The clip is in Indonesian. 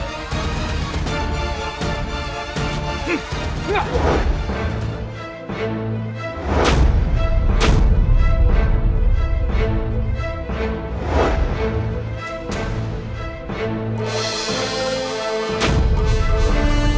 aku akan mencari bunda kuabias